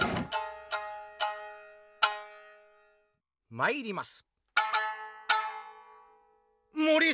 まいります。